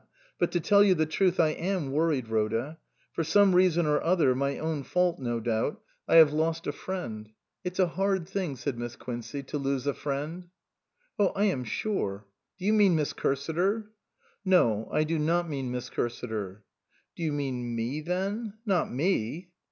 But to tell you the truth, I am worried, Rhoda. For some reason or other, my own fault, no doubt, I have lost 284 . A PAINFUL MISUNDERSTANDING a friend. It's a hard thing," said Miss Quincey, " to lose a friend." " Oh, lam sure Do you mean Miss Cursiter?" " No, I do not mean Miss Cursiter." " Do you mean me then ? Not me